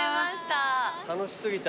楽し過ぎた。